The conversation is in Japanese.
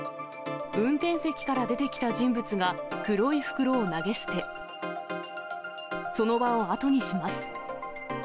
運転席から出てきた人物が黒い袋を投げ捨て、その場を後にします。